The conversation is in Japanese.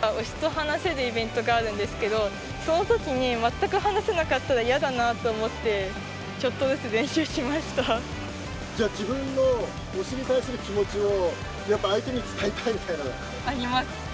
推しと話せるイベントがあるんですけれども、そのときに全く話せなかったら、嫌だなと思って、ちょっとずつ練じゃ、自分の推しに対する気持ちをやっぱ、あります。